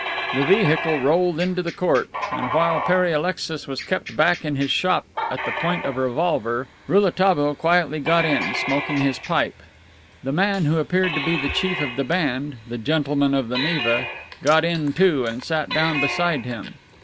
The Vehicle rolled into the court, and while Pere Alexis was kept back in his shop at the point of a revolver, Rouletabille quietly got in, smoking his pipe. The man who appeared to be the chief of the band (the gentleman of the Neva) got in too and sat down beside him.